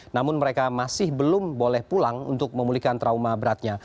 namun mereka masih belum boleh pulang untuk memulihkan trauma beratnya